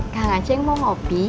kang aceh mau kopi